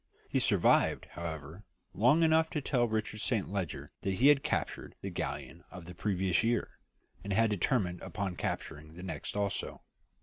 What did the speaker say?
He survived, however, long enough to tell Richard Saint Leger that he had captured the galleon of the previous year, and had determined upon capturing the next also.